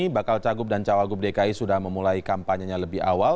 bakal cagub dan cawagub dki sudah memulai kampanye lebih awal